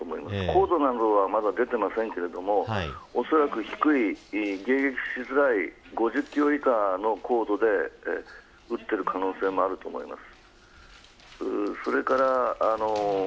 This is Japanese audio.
高度などはまだ出ていませんがおそらく低い、迎撃しづらい５０キロ以下の高度で撃っている可能性もあると思います。